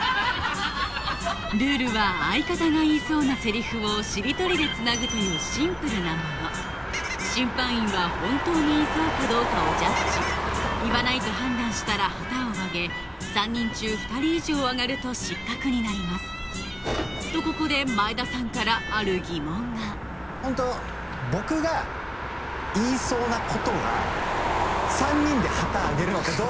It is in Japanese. ルールは相方が言いそうなセリフをしりとりでつなぐというシンプルなもの審判員は本当に言いそうかどうかをジャッジ言わないと判断したら旗をあげ３人中２人以上あがると失格になりますとここで前田さんからある疑問が僕が言いそうなことが３人で旗あげるのってどう？